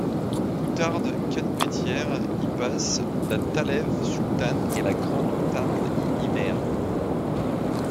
L'outarde canepetière y passe, la talève sultane et la grande outarde y hivernent.